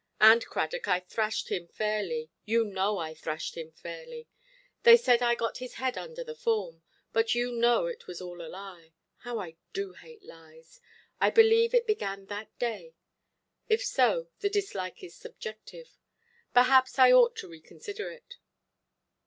"And, Cradock, I thrashed him fairly; you know I thrashed him fairly. They said I got his head under the form; but you know it was all a lie. How I do hate lies! I believe it began that day. If so, the dislike is subjective. Perhaps I ought to reconsider it".